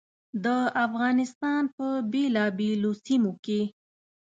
د افغانستان په بېلابېلو سیمو کې.